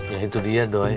ya itu dia doi